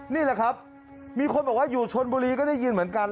นี่แหละครับมีคนบอกว่าอยู่ชนบุรีก็ได้ยินเหมือนกัน